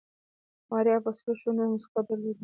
ماريا په سرو شونډو موسکا درلوده.